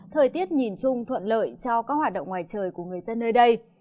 thời tiết nhìn chung thuận lợi cho các hoạt động ngoài trời của người dân nơi đây